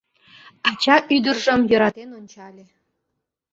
Ача ӱдыржым йӧратен ончале.